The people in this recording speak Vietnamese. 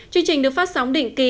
chương trình được phát sóng định kỳ